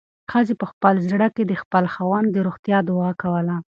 ښځې په خپل زړه کې د خپل خاوند د روغتیا دعا کوله.